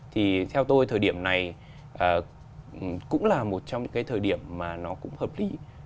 thì theo tôi thời điểm này cũng là một trong những cái thời điểm mà nó cũng hợp lý